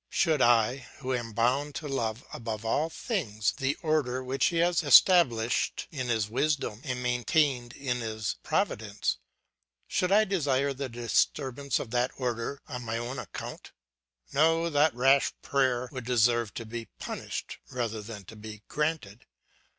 Should I, who am bound to love above all things the order which he has established in his wisdom and maintained by his providence, should I desire the disturbance of that order on my own account? No, that rash prayer would deserve to be punished rather than to be granted.